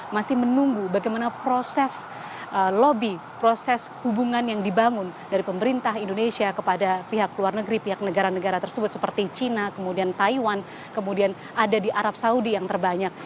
masih menunggu bagaimana proses lobby proses hubungan yang dibangun dari pemerintah indonesia kepada pihak luar negeri pihak negara negara tersebut seperti china kemudian taiwan kemudian ada di arab saudi yang terbanyak